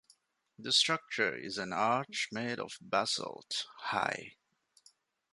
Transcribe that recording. The structure is an arch made of basalt, high.